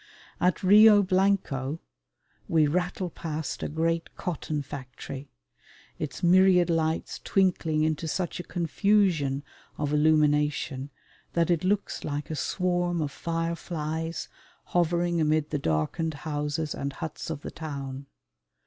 At Rio Blanco we rattle past a great cotton factory, its myriad lights twinkling into such a confusion of illumination that it looks like a swarm of fireflies hovering amid the darkened houses and huts of the town.